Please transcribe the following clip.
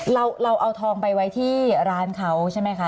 เราเอาทองไปไว้ที่ร้านเขาใช่ไหมคะ